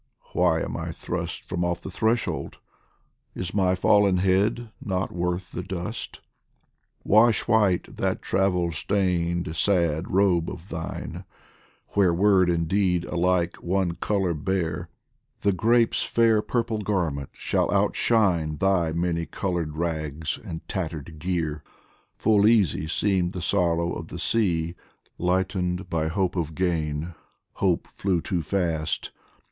" Why am I thrust From off the threshold ? is my fallen head Not worth the dust ? Wash white that travel stained sad robe of thine ! Where word and deed alike one colour bear, The grape's fair purple garment shall outshine Thy many coloured rags and tattered gear. Full easy seemed the sorrow of the sea Lightened by hope of gain hope flew too fast